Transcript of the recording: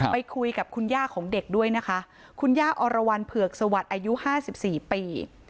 ไปคุยกับคุณย่าของเด็กด้วยนะคะคุณย่าอรวรรณเผือกสวัสดิ์อายุ๕๔ปี